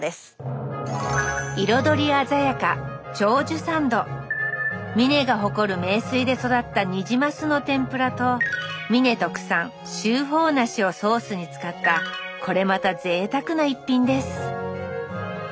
彩り鮮やか美祢が誇る名水で育ったニジマスの天ぷらと美祢特産秋芳梨をソースに使ったこれまたぜいたくな一品です